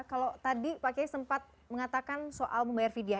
kalau tadi pak kiai sempat mengatakan soal membayar vidya